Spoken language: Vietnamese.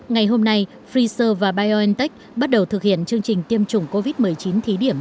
ngày hôm nay pfizer và biontech bắt đầu thực hiện chương trình tiêm chủng covid một mươi chín thí điểm